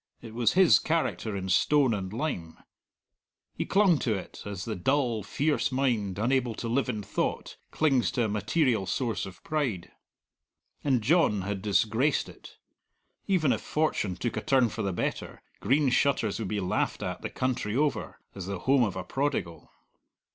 It was his character in stone and lime. He clung to it, as the dull, fierce mind, unable to live in thought, clings to a material source of pride. And John had disgraced it. Even if fortune took a turn for the better, Green Shutters would be laughed at the country over, as the home of a prodigal.